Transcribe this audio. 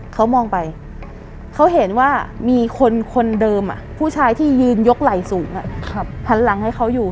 เขามองไปเขาเห็นว่ามีคนเดิมผู้ชายที่ยืนยกไหล่สูงหันหลังให้เขาอยู่